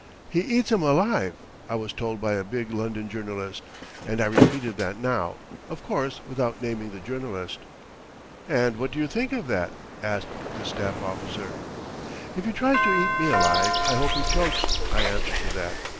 "He eats 'em alive," I was told by a big London journalist, and I repeated that now, of course without naming the journalist. "And what do you think of that?" asked this staff officer. "If he tries to eat me alive I hope he chokes," I answered to that.